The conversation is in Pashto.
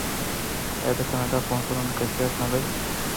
آیا د کاناډا پوهنتونونه کیفیت نلري؟